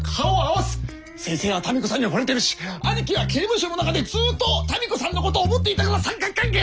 先生は民子さんに惚れてるし兄貴は刑務所の中でずっと民子さんのことを思っていたから三角関係だ！